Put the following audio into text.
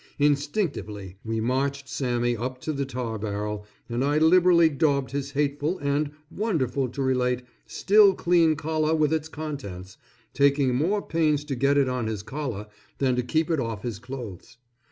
Instinctively, we marched Sammy up to the tar barrel, and I liberally daubed his hateful and, wonderful to relate, still clean collar with its contents, taking more pains to get it on his collar, than to keep it off his clothes.